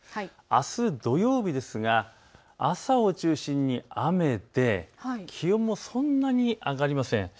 あす土曜日ですが朝を中心に雨で気温もそんなに上がりません。